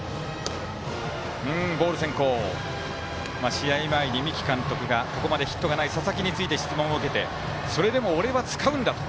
試合前に三木監督がここまでヒットがない佐々木について質問を受けてそれでも、俺は使うんだと。